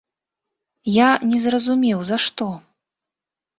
Я не зразумеў, за што?